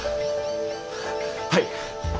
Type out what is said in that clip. はい。